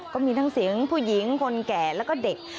ก็มีทั้งเสียงผู้หญิงคนแก่แล้วก็เด็ก